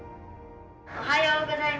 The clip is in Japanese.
「おはようございます」。